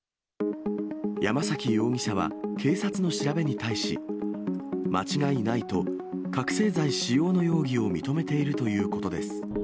山崎容疑者は警察の調べに対し、間違いないと、覚醒剤使用の容疑を認めているということです。